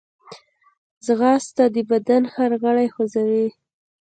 ځغاسته د بدن هر غړی خوځوي